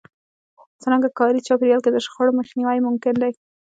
څرنګه کاري چاپېريال کې د شخړو مخنيوی ممکن دی؟